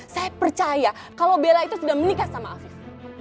saya percaya kalau bella itu sudah menikah sama alvis